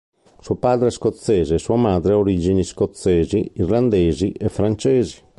Suo padre è scozzese e sua madre ha origini scozzesi, irlandesi e francesi.